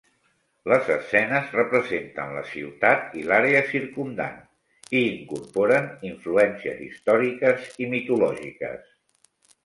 Les escenes representen la ciutat i l'àrea circumdant, i incorporen influències històriques i mitològiques.